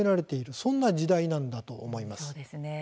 そんな時代なんだと思います。